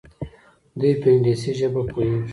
دوی په انګلیسي ژبه پوهیږي.